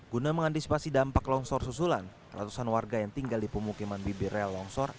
guna mengantisipasi dampak longsor susulan ratusan warga yang tinggal di pemukiman bibir rel longsor